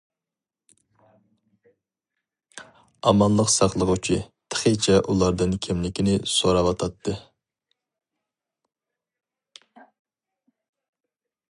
ئامانلىق ساقلىغۇچى تېخىچە ئۇلاردىن كىملىكىنى سوراۋاتاتتى.